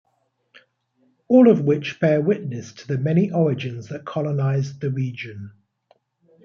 All of which bear witness to the many origins that colonized the region.